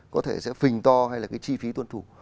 có thể sẽ phình to hay là cái chi phí tuân thủ